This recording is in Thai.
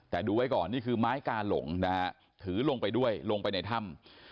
แต่ดูไว้ก่อนนี่คือไม้กาหลงนะฮะถือลงไปด้วยลงไปในถ้ำ